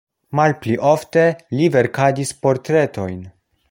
Malpli ofte li verkadis portretojn.